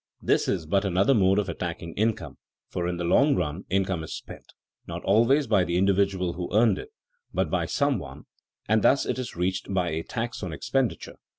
This is but another mode of attacking income, for in the long run income is spent, not always by the individual who earned it, but by some one, and thus it is reached by a tax on expenditure.